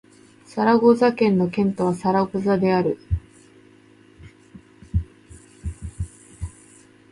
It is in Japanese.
サラゴサ県の県都はサラゴサである